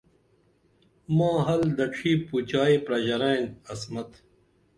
ماں حل دڇھی پُچائی پرَژَرئن عصمت